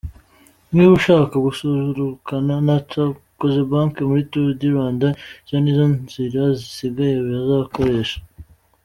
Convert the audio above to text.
Niba ushaka gususurukana na Cogebanque muri Tour du Rwanda, izi nizo nzira zisigaye bazakoresha.